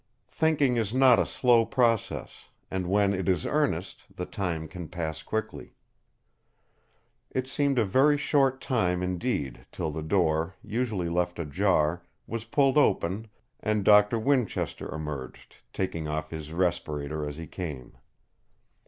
Thinking is not a slow process; and when it is earnest the time can pass quickly. It seemed a very short time indeed till the door, usually left ajar, was pulled open and Dr. Winchester emerged, taking off his respirator as he came.